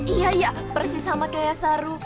iya iya persis sama kayak saru